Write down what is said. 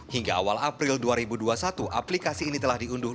hingga awal april dua ribu dua puluh satu aplikasi ini telah diunduh